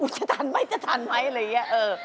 จะทันไหมจะทันไหมอะไรอย่างนี้